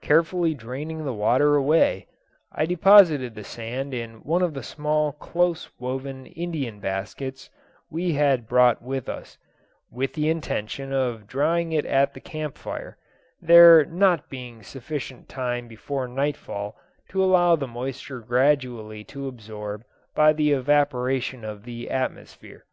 Carefully draining the water away, I deposited the sand in one of the small close woven Indian baskets we had brought with us, with the intention of drying it at the camp fire, there not being sufficient time before nightfall to allow the moisture gradually to absorb by the evaporation of the atmosphere.